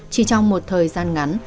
chỉ trong một thời gian ngắn